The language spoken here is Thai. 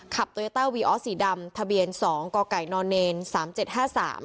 โตโยต้าวีออสสีดำทะเบียนสองก่อไก่นอนเนรสามเจ็ดห้าสาม